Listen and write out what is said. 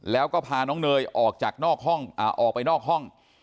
แล้วก็พาน้องเนยออกจากห้องออกไปนอกห้อง